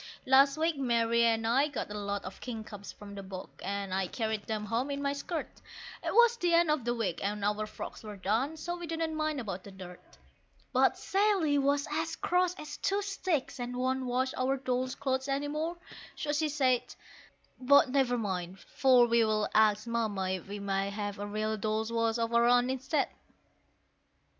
Last week Mary and I got a lot of kingcups from the bog, and I carried them home in my skirt; It was the end of the week, and our frocks were done, so we didn't mind about the dirt. But Sally was as cross as two sticks, and won't wash our dolls' clothes any more so she said, But never mind, for we'll ask Mamma if we may have a real Dolls' Wash of our own instead.